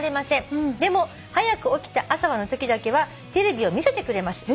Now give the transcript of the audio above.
「でも『はやく起きた朝は』のときだけはテレビを見せてくれます」